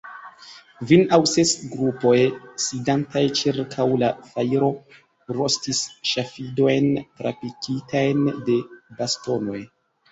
Kvin aŭ ses grupoj, sidantaj ĉirkaŭ la fajro, rostis ŝafidojn trapikitajn de bastonoj.